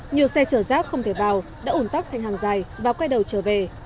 nhiều xe chở rác không thể vào đã ủn tắc thành hàng dài và quay đầu trở về